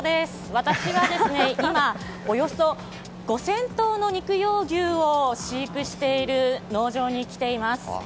私は今およそ５０００頭の肉用牛を飼育している農場に来ています。